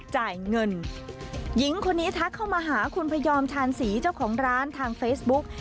จ่ายเงินหญิงคนนี้ทักเข้ามาหาคุณพยอมชาญศรีเจ้าของร้านทางเฟซบุ๊ก